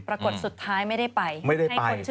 ปรากฏสุดท้ายไม่ได้ไปไม่ได้ไป